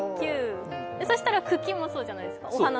そしたら茎もそうじゃないですか。